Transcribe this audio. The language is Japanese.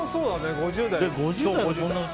５０代。